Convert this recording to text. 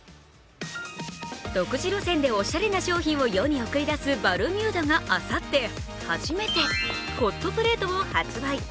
独自路線でおしゃれな消費を世に送り出すバルミューダがあさって、初めてホットプレートを発売。